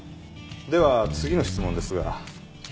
では次の質問ですが。